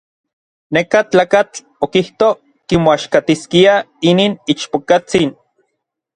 Neka tlakatl okijto kimoaxkatiskia inin ichpokatsin.